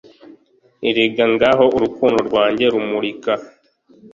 erega ngaho urukundo rwanjye rumurika.